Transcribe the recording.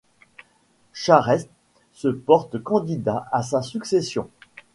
Charest se porte candidat à sa succession.